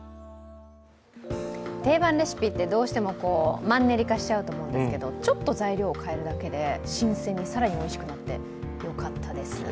定番レシピって、どうしてもマンネリ化しちゃうと思うんですけど、ちょっと材料を変えるだけで新鮮で更においしくなって、よかったです。